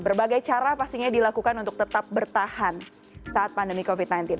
berbagai cara pastinya dilakukan untuk tetap bertahan saat pandemi covid sembilan belas